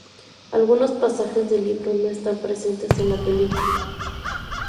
Algunos pasajes del libro no están presentes en la película.